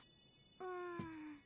うん。